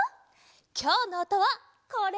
きょうのおとはこれ！